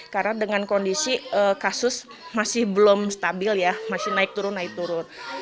karena dengan kondisi kasus masih belum stabil ya masih naik turun naik turun